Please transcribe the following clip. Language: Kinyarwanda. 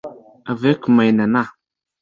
Avec my nana